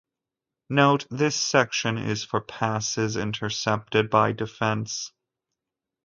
Note: This section is for passes intercepted by defense.